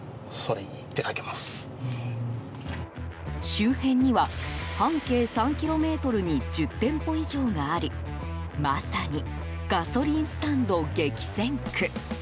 周辺には半径３ｋｍに１０店舗以上がありまさにガソリンスタンド激戦区。